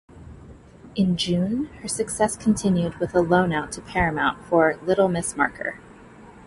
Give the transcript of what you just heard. In June, her success continued with a loan-out to Paramount for "Little Miss Marker".